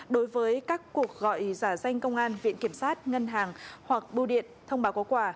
đối với các cuộc gọi giả danh công an viện kiểm sát ngân hàng hoặc bưu điện thông báo có quả